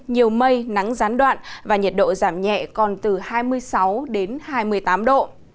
nhiều mây nắng gián đoạn và nhiệt độ giảm nhẹ còn từ hai mươi sáu đến hai mươi tám độ